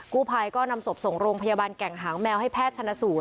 กู้ภัยก็นำศพส่งโรงพยาบาลแก่งหางแมวให้แพทย์ชนสูตร